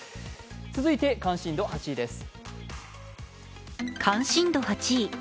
続いて関心度８位です。